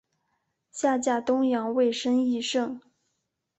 下嫁东阳尉申翊圣。